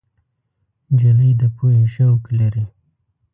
نجلۍ د پوهې شوق لري.